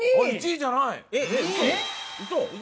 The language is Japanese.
１位じゃない？